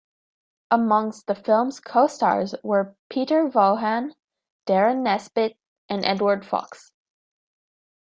Among the film's co-stars were Peter Vaughan, Derren Nesbitt and Edward Fox.